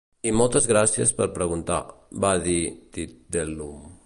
"I moltes gràcies per preguntar", va dir Tweedledum.